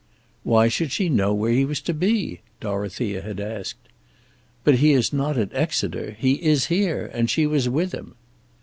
"Why should she know where he was to be?" Dorothea had asked. "But he is not at Exeter; he is here, and she was with him."